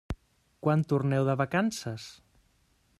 Quan torneu de vacances?